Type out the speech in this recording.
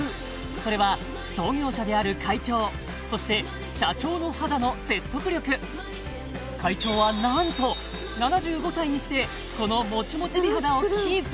それは創業者である会長そして社長の肌の説得力会長はなんと７５歳にしてこのモチモチ美肌をキープ